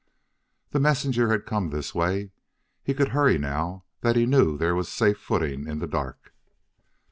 The messenger had come this way; he could hurry now that he knew there was safe footing in the dark.